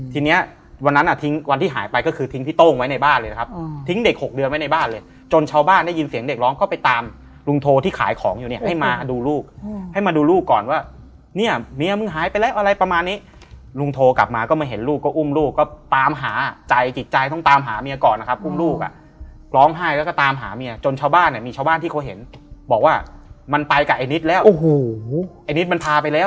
ทีนี้วันนั้นน่ะทิ้งวันที่หายไปก็คือทิ้งพี่โต้งไว้ในบ้านเลยนะครับทิ้งเด็ก๖เดือนไว้ในบ้านเลยจนชาวบ้านได้ยินเสียงเด็กร้องเข้าไปตามลุงโทที่ขายของอยู่เนี่ยให้มาดูลูกให้มาดูลูกก่อนว่าเนี่ยเมียมึงหายไปแล้วอะไรประมาณนี้ลุงโทกลับมาก็มาเห็นลูกก็อุ้มลูกก็ตามหาใจจิตใจต้องตามหาเมียก่อนนะคร